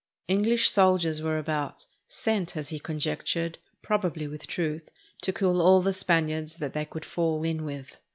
EngHsh soldiers were about, sent, as he conjectured, probably with truth, to kill all the Spaniards that they could fall in with.